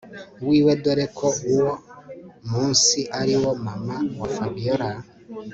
wiwe dore ko uwo munsi ariwo mam wa Fabiora